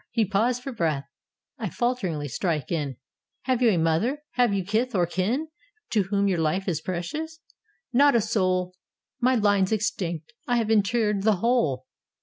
He paused for breath : I f alteringly strike in : "Have you a mother? have you kith or kin To whom your life is precious?" "Not a soul: My line's extinct! I have interred the whole."